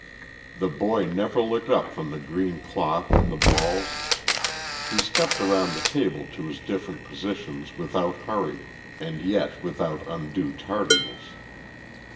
The boy never looked up from the green cloth and the balls. He stepped around the table to his different positions without hurry, and yet without undue tardiness.